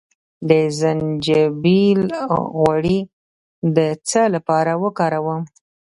د زنجبیل غوړي د څه لپاره وکاروم؟